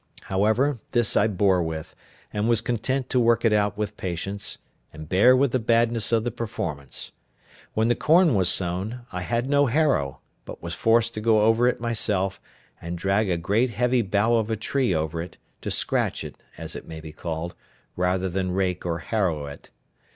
However, this I bore with, and was content to work it out with patience, and bear with the badness of the performance. When the corn was sown, I had no harrow, but was forced to go over it myself, and drag a great heavy bough of a tree over it, to scratch it, as it may be called, rather than rake or harrow it.